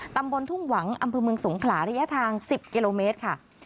ตำบลทุ่งหวังอำเภอเมืองสงขลาระยะทาง๑๐กิโลเมตรค่ะ